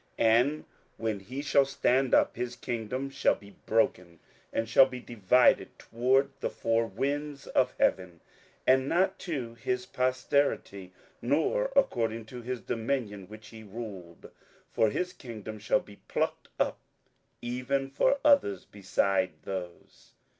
27:011:004 And when he shall stand up, his kingdom shall be broken, and shall be divided toward the four winds of heaven; and not to his posterity, nor according to his dominion which he ruled: for his kingdom shall be plucked up, even for others beside those.